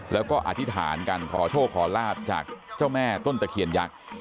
แล้วก็อธิษฐานกันขอโชคขอลาบจากเจ้าแม่ต้นตะเคียนยักษ์